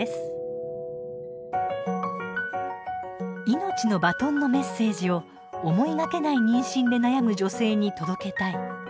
「命のバトン」のメッセージを思いがけない妊娠で悩む女性に届けたい。